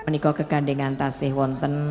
niko kegandengan tasihwonten